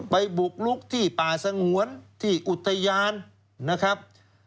บุกลุกที่ป่าสงวนที่อุทยานนะครับ